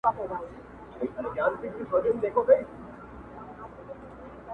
یوه ورخ مي زړه په شکر ګویا نه سو.!